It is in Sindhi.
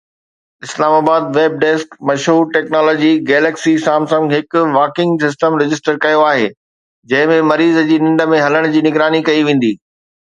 اسلام آباد (ويب ڊيسڪ) مشهور ٽيڪنالاجي گليڪسي سامسنگ هڪ واڪنگ سسٽم رجسٽر ڪيو آهي جنهن ۾ مريض جي ننڊ ۾ هلڻ جي نگراني ڪئي ويندي.